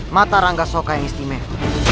matarangga soka yang istimewa